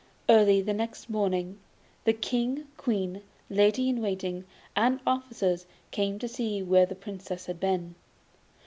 Early next morning the King, Queen, ladies in waiting, and officers came out to see where the Princess had been.